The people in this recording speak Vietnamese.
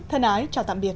thân ái chào tạm biệt